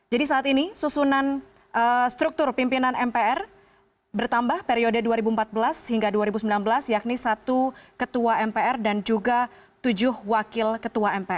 jadi saat ini susunan struktur pimpinan mpr bertambah periode dua ribu empat belas hingga dua ribu sembilan belas yakni satu ketua mpr dan juga tujuh wakil ketua mpr